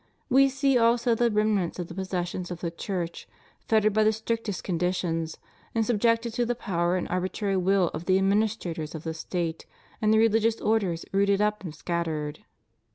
We see also the remnants of the possessions of the Church fettered by the strictest conditions, and subjected to the power and arbitrary will of the administrators of the State, and the religious orders rooted up and scattered.